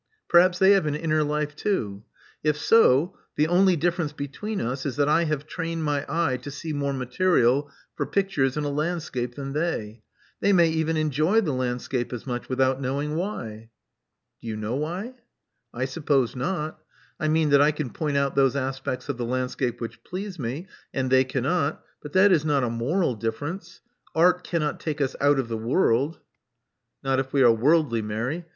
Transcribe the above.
Perhaps they have an inner life too. If so, the only difference between us is that I have trained my eye to see more material for pictures in a landscape than they. They may even enjoy the landscape as much, without knowing why." Do you know why?" I suppose not. I mean that I can point out those aspects of the landscape which please me, and they cannot But that is not a moral difference. Art cannot take us out of the world." Not if we are worldly, Mary."